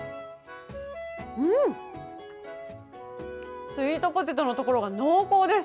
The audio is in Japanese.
うん、スイートポテトのところが濃厚です。